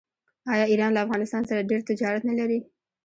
آیا ایران له افغانستان سره ډیر تجارت نلري؟